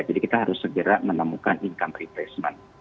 jadi kita harus segera menemukan income replacement